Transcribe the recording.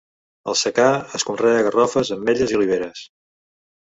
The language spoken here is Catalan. Al secà, es conrea garrofes, ametlles i oliveres.